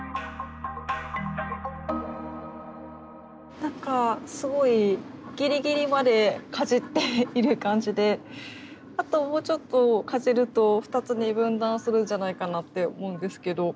なんかすごいギリギリまでかじっている感じであともうちょっとかじると２つに分断するんじゃないかなって思うんですけど。